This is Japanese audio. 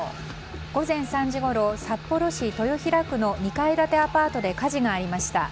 午前３時ごろ札幌市豊平区の２階建てアパートで火事がありました。